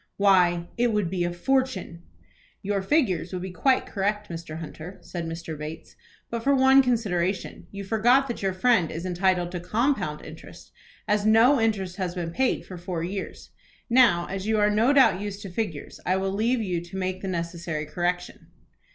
Why, it would be a fortune. "Your figures would be quite correct, Mr. Hunter" said Mr. Bates, "but for one consideration. You forget that your friend is entitled to compound interest, as no interest has been paid for four years. Now, as you are do doubt used to figures, I will leave you to make the necessary correction."